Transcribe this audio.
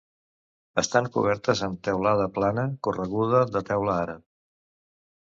Estan cobertes amb teulada plana correguda de teula àrab.